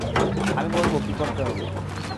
আমি বলবো কি করতে হবে।